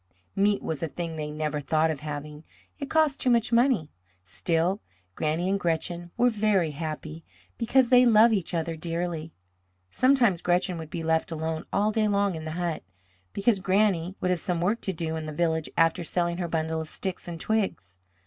Meat was a thing they never thought of having. It cost too much money. Still, Granny and Gretchen were very happy, because they loved each other dearly. Sometimes Gretchen would be left alone all day long in the hut, because Granny would have some work to do in the village after selling her bundle of sticks and twigs.